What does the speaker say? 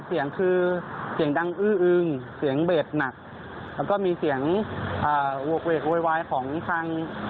เสียงมันก็เงียบมันก็ดัง